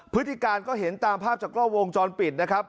พฤติการก็เห็นตามภาพจากกล้อวงจรปิดนะครับ